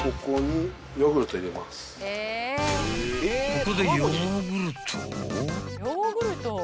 ［ここで］